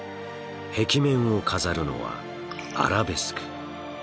壁面を飾るのはアラベスク。